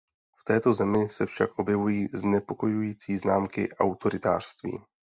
V této zemi se však objevují znepokojující známky autoritářství.